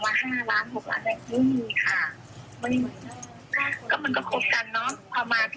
คนสิทธิ์ใจพี่กะพาซซื้อบ้านหาพ่อหาแม่